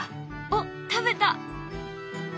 おっ食べた。